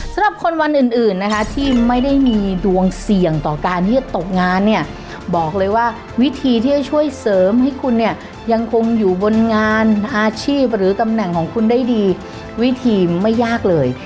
สำหรับคนวันอื่นนะคะที่ไม่ได้มีดวงเสี่ยงต่อการที่จะตกงานเนี่ยบอกเลยว่าวิธีที่จะช่วยเสริมให้คุณเนี่ยยังคงอยู่บนงานอาชีพหรือตำแหน่งของคุณได้ดีวิธีไม่ยากเลย